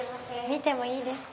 見てもいいですか？